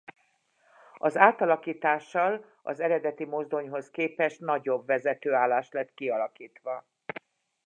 Az átalakítással az eredeti mozdonyhoz képest nagyobb vezetőállás lett kialakítva.